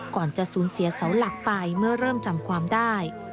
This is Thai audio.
ก่อนจะสูญเสียเสาหลักไปเมื่อเริ่มจำความได้